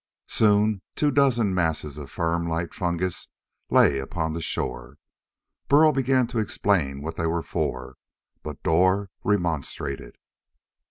Soon two dozen masses of firm, light fungus lay upon the shore. Burl began to explain what they were for, but Dor remonstrated.